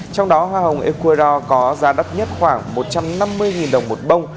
trong đó hoa hồng ecuador có giá đắt nhất khoảng một trăm năm mươi đồng một bông